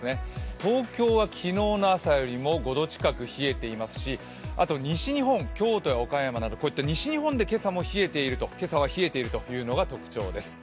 東京は昨日の朝よりも５度近く冷えていますし、京都や岡山など西日本で今朝は冷えているというのが特徴です。